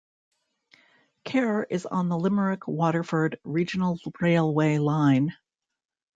Cahir is on the Limerick-Waterford regional railway line.